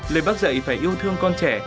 lời bắc dạy phải yêu thương con trẻ